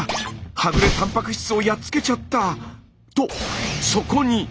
はぐれたんぱく質をやっつけちゃった！